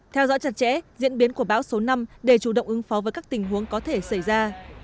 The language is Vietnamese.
theo dõi chặt chẽ diễn biến của bão số năm để chủ động ứng phó với các tình huống có thể xảy ra